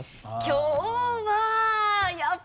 今日は。